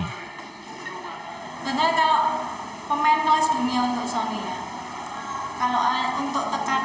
apa dia maunya hari ini maintenance